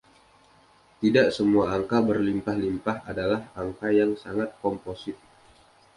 Tidak semua angka berlimpah-limpah adalah angka yang sangat komposit.